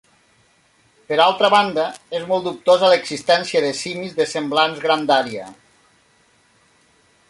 Per altra banda, és molt dubtosa l'existència de simis de semblant grandària.